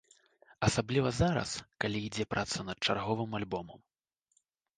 Асабліва зараз, калі ідзе праца над чарговым альбомам.